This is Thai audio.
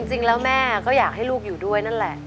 จริงแล้วแม่ก็อยากให้ลูกอยู่ด้วยนั่นแหละ